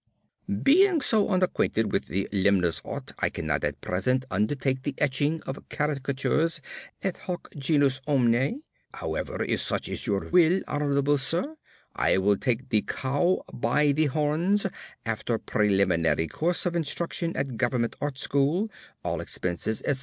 Being so unacquainted with the limner's art, I cannot at present undertake the etching of caricatures et hoc genus omne. However, if such is your will, Hon'ble Sir, I will take the cow by the horns, after preliminary course of instruction at Government Art School, all expenses, &c.